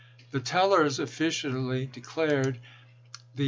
The tellers officially declared the Vol.